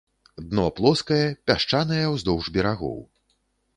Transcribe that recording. Дно плоскае, пясчанае ўздоўж берагоў.